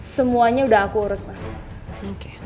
semuanya udah aku urusin